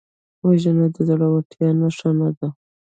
وژنه د زړورتیا نښه نه ده